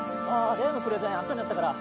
例のプレゼンあしたになったから。